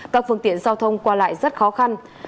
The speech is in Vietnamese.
các phương tiện giao thông qua lại rất khó khăn